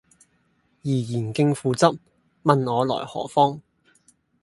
怡然敬父執，問我來何方。